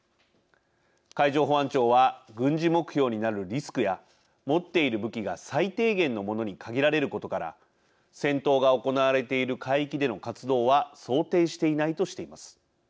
海上保安庁は軍事目標になるリスクや持っている武器が最低限のものに限られることから戦闘が行われている海域での活動は想定していないとしています。